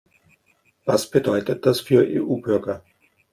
Was bedeutet das für EU-Bürger?